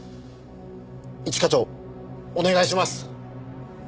一課長お願いします！